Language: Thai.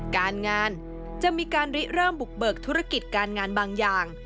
การงานจะมีการริเริ่มบุกเบิกธุรกิจการงานบางอย่าง